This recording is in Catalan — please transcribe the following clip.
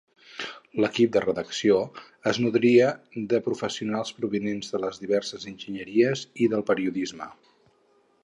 L'equip de redacció es nodria de professionals provinents de les diverses enginyeries i del periodisme.